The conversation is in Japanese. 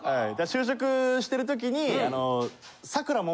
就職してるときに。